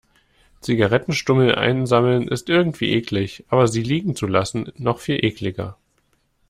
Zigarettenstummel einsammeln ist irgendwie eklig, aber sie liegen zu lassen, noch viel ekliger.